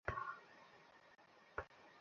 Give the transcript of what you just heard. এতো শুধু এসেই চলেছে।